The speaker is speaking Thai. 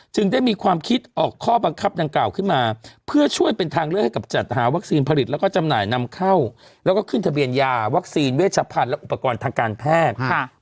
ได้มีความคิดออกข้อบังคับดังกล่าวขึ้นมาเพื่อช่วยเป็นทางเลือกให้กับจัดหาวัคซีนผลิตแล้วก็จำหน่ายนำเข้าแล้วก็ขึ้นทะเบียนยาวัคซีนเวชพันธุ์และอุปกรณ์ทางการแพทย์